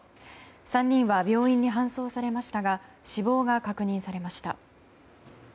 ３人は病院に搬送されましたが死亡が確認されました。